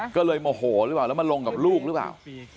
ก็เลยโมโหเลยบ้างแล้วมารงกับลูกหรือเปล่า